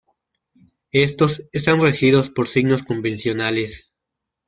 Estos están regidos por signos convencionales.